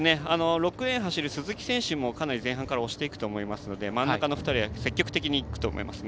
６レーン走る鈴木選手も前半から押していくと思いますから真ん中の２人は積極的にいくと思います。